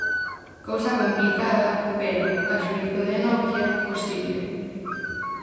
Cousa complicada, pero, a xuízo de Nokia, posible.